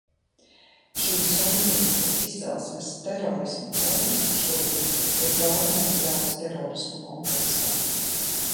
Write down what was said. Šī sunnītu izcelsmes terorisma forma šodien ir galvenais drauds terorisma kontekstā.